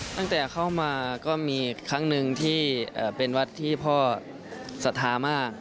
ตั้งแต่เข้ามาก็มีครั้งหนึ่งที่เป็นวัดที่พ่อศรัทธามาก